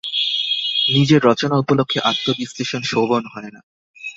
নিজের রচনা উপলক্ষে আত্মবিশ্লেষণ শোভন হয় না।